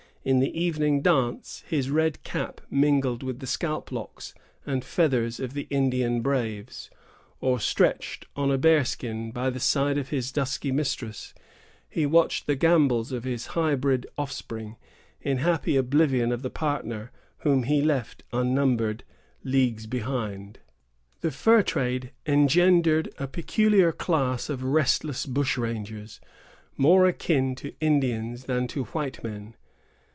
In the evening dance, his red cap mingled with the scalp locks and feathers of the Indian braves; or, stretched on a bear skin by the side of his dusky mistress, he watched the gambols of his hybrid offspring, in happy oblivion of the partner whom he left unnumbered leagues behind. The fur trade engendered a peculiar class of restless bush rangers, more akin to Indians than to white men.